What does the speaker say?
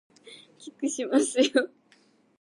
キックしますよ